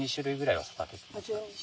はい。